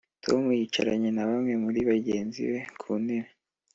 tom yicaranye na bamwe muri bagenzi be ku ntebe.